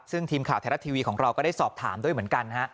ซึ่งทีมข่าวไทยรัฐทีวีของเราก็ได้สอบถามด้วยเหมือนกันฮะ